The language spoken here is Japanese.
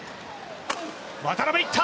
渡辺いった！